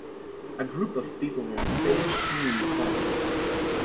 A group of people on stage singing in concert.